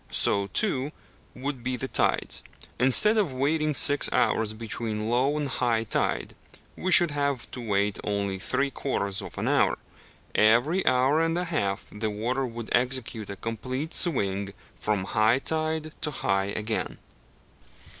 So, too, would the tides: instead of waiting six hours between low and high tide, we should have to wait only three quarters of an hour. Every hour and a half the water would execute a complete swing from high tide to high again.